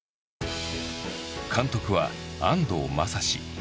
監督は安藤雅司。